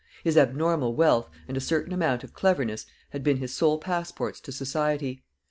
His abnormal wealth, and a certain amount of cleverness, had been his sole passports to society.